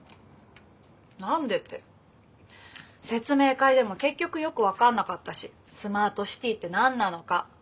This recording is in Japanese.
何でって説明会でも結局よく分かんなかったしスマートシティって何なのか。